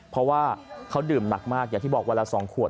เพราะว่าเขาดื่มหนักมากอย่างที่บอกวันละ๒ขวด